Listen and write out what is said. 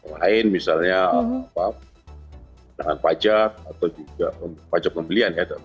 lain misalnya wars nanganpajak atau juga pajak pembelian